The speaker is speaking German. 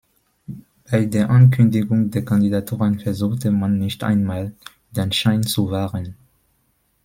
Bei der Ankündigung der Kandidaturen versuchte man nicht einmal, den Schein zu wahren.